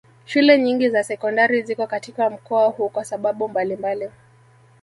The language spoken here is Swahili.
Shule nyingi za sekondari ziko katika mkoa huu kwa sababu mbalimbali